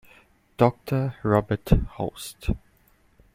Doctor Robert Holst.